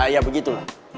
ya begitu lah